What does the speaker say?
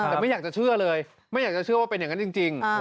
แต่ไม่อยากจะเชื่อเลยไม่อยากจะเชื่อว่าเป็นอย่างนั้นจริง